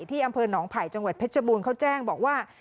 อำเภอหนองไผ่จังหวัดเพชรบูรณเขาแจ้งบอกว่า